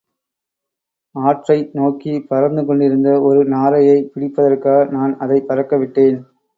ஆற்றை நோக்கிப் பறந்து கொண்டிருந்த ஒரு நாரையைப் பிடிப்பதற்காக நான் அதைப் பறக்கவிட்டேன்.